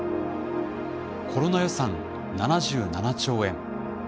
コロナ予算７７兆円。